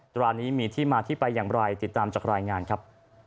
ตรานี้มีที่มาที่ไปอย่างไรติดตามจากรายงานครับ